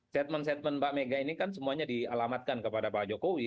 setmen setmen pak mega ini kan semuanya dialamatkan kepada pak jokowi